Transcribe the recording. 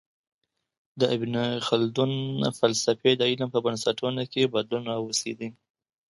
د ابن خلدون فلسفې د علم په بنسټونو کي بدلون راوستی دی.